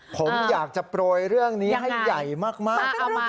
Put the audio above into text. ผมอยากจะโปรยเรื่องนี้ให้ใหญ่มาก